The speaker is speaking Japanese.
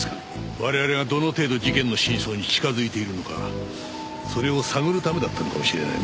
我々がどの程度事件の真相に近づいているのかそれを探るためだったのかもしれないな。